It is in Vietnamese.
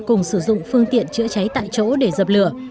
cùng sử dụng phương tiện chữa cháy tại chỗ để dập lửa